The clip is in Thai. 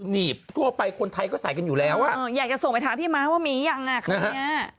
หนีบทั่วไปคนไทยก็ใส่กันอยู่แล้วอ่ะอยากจะส่งไปถามพี่ม้าว่ามียังอ่ะครั้งเนี้ย